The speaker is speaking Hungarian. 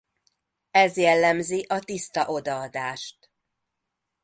Ez jellemzi a tiszta odaadást.